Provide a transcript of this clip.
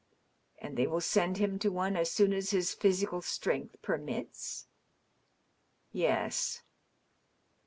" And they will send him to one as soon as his physical strength permits?" "Yes."